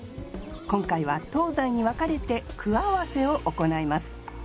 今回は東西に分かれて句合わせを行います